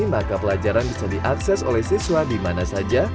maka pelajaran bisa diakses oleh siswa di mana saja